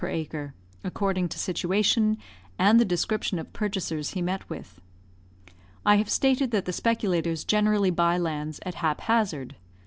per acre, according to situation and the description of purchasers he met with. I have stated that the speculators generally buy lands at hap hazard.